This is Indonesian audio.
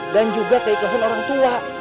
dan juga keikhlasan orang tua